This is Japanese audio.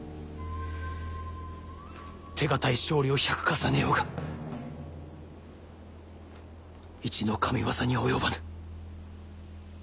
手堅い勝利を１００重ねようが一の神業には及ばぬ。